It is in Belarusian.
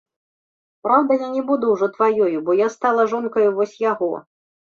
Праўда, я не буду ўжо тваёю, бо я стала жонкаю вось яго.